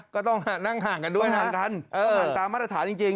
ก็ต้องนั่งห่างกันด้วยห่างกันต้องห่างตามมาตรฐานจริง